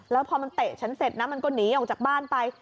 แล้วพอมันเตะฉันเสร็จนะมันก็หนีออกจากบ้านไป